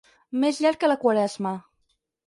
Més llarg que la Quaresma.